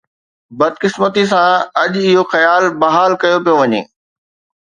بدقسمتي سان، اڄ اهو خيال بحال ڪيو پيو وڃي.